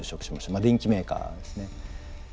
まあ電機メーカーですね。